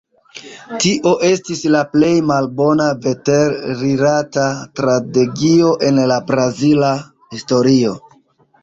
Tio estis la plej malbona veter-rilata tragedio en la brazila historio.